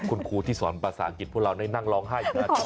คุณครูที่สอนภาษาอังกฤษพวกเราได้นั่งร้องไห้อยู่หน้าจอ